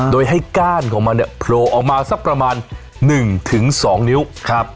โดยให้ก้านของมันเนี่ยโผล่ออกมาสักประมาณหนึ่งถึงสองนิ้วครับ